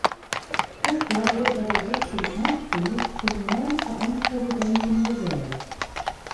Kessler wurde bei der Sitzung einstimmig zum neuen Vereinspräsidenten gewählt.